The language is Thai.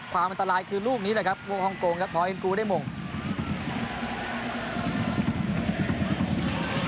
ความอันตรายคือลูกนี้เลยครับวงองกงพอเอ็นกรูได้มงก์